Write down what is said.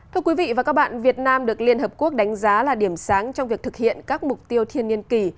thưa quý vị và các bạn việt nam được liên hợp quốc đánh giá là điểm sáng trong việc thực hiện các mục tiêu thiên niên kỳ